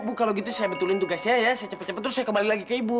bu kalau gitu saya betulin tugasnya ya saya cepat cepat terus saya kembali lagi ke ibu